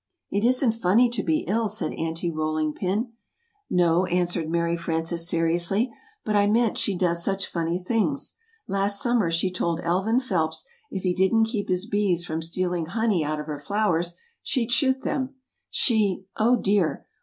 "It isn't funny to be ill," said Aunty Rolling Pin. "No," answered Mary Frances, seriously, "but I meant she does such funny things: Last summer, she told Elvin Phelps if he didn't keep his bees from stealing honey out of her flowers, she'd shoot them she (oh, dear!)